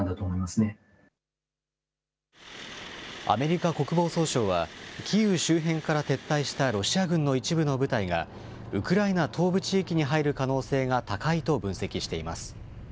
アメリカ国防総省は、キーウ周辺から撤退したロシア軍の一部の部隊が、ウクライナ東部地域に入る可能性が高いと分析しています。